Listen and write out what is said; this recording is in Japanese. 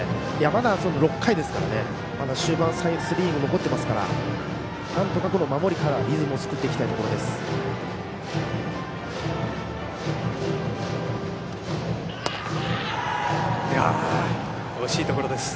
まだ６回ですから終盤３イニング残っていますからなんとか守りからリズムを作っていきたいところです。